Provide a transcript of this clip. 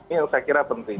ini yang saya kira penting